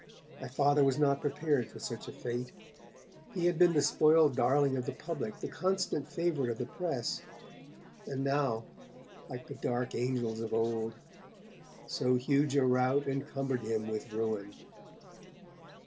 My Father was not prepared for such a fate. He had been the spoiled darling of the public, the constant favourite of the press, and now, like the dark angels of old, so huge a rout Encumbered him with ruin.